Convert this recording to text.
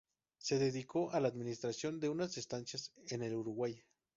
Se dedicó a la administración de unas estancias en el Uruguay.